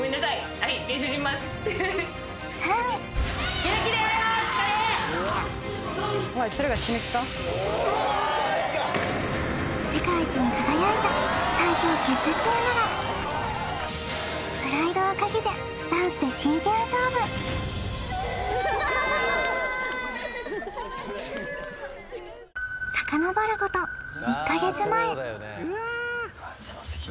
はいさらにしっかり世界一に輝いた最強キッズチームがプライドをかけてダンスで真剣勝負さかのぼること狭すぎ